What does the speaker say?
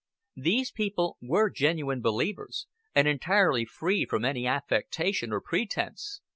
These people were genuine believers, and entirely free from any affectation or pretense.